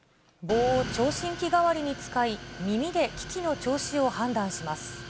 棒を聴診器代わりに使い、耳で機器の調子を判断します。